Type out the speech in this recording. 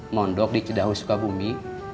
mondok di cedawis sukabumi